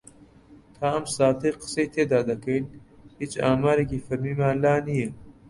تا ئەم ساتەی قسەی تێدا دەکەین هیچ ئامارێکی فەرمیمان لا نییە.